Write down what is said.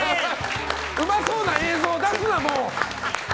うまそうな映像を出すなもう！